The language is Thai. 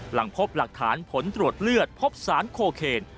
หลังพบหลักฐานผลตรวจเลือดพบสารโคเคน